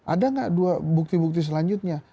ada nggak dua bukti bukti selanjutnya